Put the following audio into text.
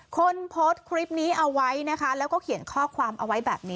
คนโพสต์คลิปนี้เอาไว้นะคะแล้วก็เขียนข้อความเอาไว้แบบนี้